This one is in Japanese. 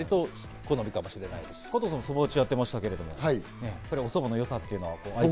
加藤さんはそば打ちをやっていましたけど、そばのよさは？